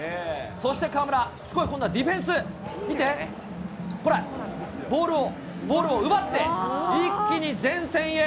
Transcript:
そして河村、今度はディフェンス、見て、ほら、ボールを、ボールを奪って、一気に前線へ。